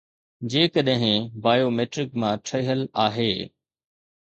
جيڪڏهن بايوميٽرڪ مان ٺهيل آهي